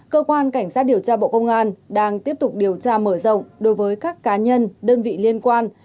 cơ quan cảnh sát điều tra bộ công an đang tiếp tục điều tra mở rộng đối với các cá nhân đơn vị liên quan